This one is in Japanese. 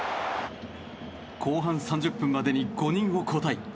後半３０分までに５人を交代。